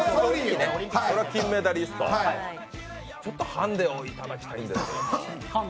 金メダリスト、ちょっとハンデをいただきたいんですけれども。